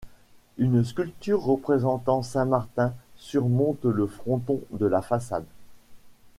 Une sculpture représentant saint Martin surmonte le fronton de la façade.